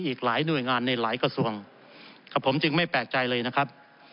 อีกหลายหน่วยงานในหลายกระทรวงกับผมจึงไม่แปลกใจเลยนะครับ